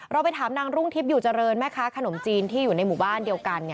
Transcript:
ไปถามนางรุ่งทิพย์อยู่เจริญแม่ค้าขนมจีนที่อยู่ในหมู่บ้านเดียวกัน